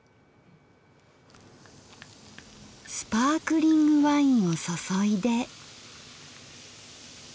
スパークリングワインを注いで。